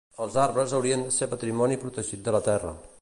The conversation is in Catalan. Els arbres haurien de ser patrimoni protegit de la Terra